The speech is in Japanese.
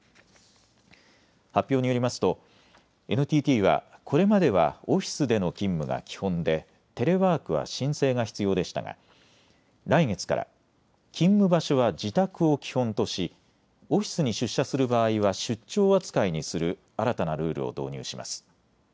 発表によりますとＮＴＴはこれまではオフィスでの勤務が基本でテレワークは申請が必要でしたが来月から勤務場所は自宅を基本としオフィスに出社する場合は出張扱いにする新たなルールを導入します。